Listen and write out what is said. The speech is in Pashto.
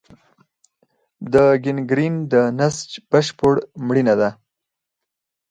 د ګینګرین د نسج بشپړ مړینه ده.